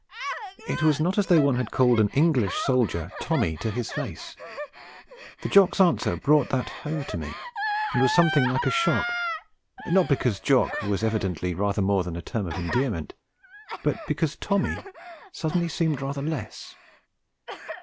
It was not as though one had called an English soldier 'Tommy' to his face; the Jock's answer brought that home to me, and with something like a shock not because 'Jock' was evidently rather more than a term of endearment, but because 'Tommy' suddenly seemed rather less.